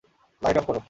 Light off করো।